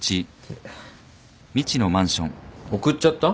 送っちゃった？